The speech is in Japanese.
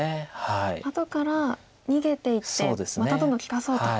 後から逃げていってまたどんどん利かそうと。